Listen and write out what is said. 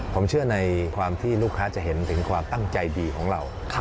ผมเชื่อในความที่ลูกค้าจะเห็นถึงความตั้งใจดีของเรา